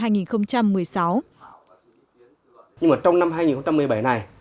nhưng mà trong năm hai nghìn một mươi bảy này